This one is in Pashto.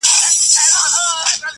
تاسي زما كيسې ته غوږ نيسئ يارانو-